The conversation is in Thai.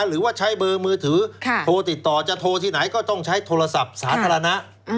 หรือว่าใช้เบอร์มือถือโทรติดต่อจะโทรที่ไหนก็ต้องใช้โทรศัพท์สาธารณะ